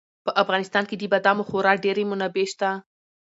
په افغانستان کې د بادامو خورا ډېرې منابع شته دي.